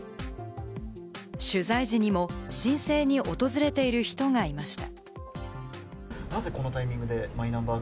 取材時にも申請に訪れている人がいました。